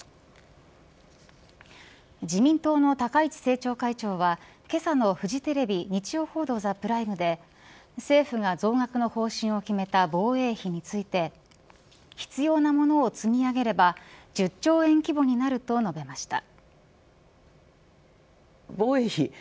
自民党の高市政調会長はけさのフジテレビ日曜報道ＴＨＥＰＲＩＭＥで政府が増額の方針を決めた防衛費について必要なものを積み上げれば１０兆円規模になると述べました。